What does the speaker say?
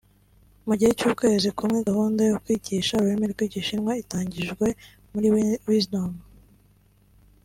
Mu gihe cy’ukwezi kumwe gahunda yo kwigisha ururimi rw’Igishinwa itangijwe muri Wisdom